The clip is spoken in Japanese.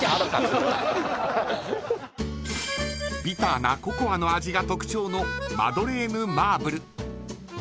ビターなココアの味が特徴のマドレーヌ・マーブル。